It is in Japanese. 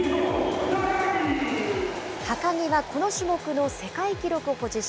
高木はこの種目の世界記録保持者。